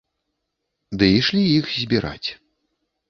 Ды ішлі іх збіраць.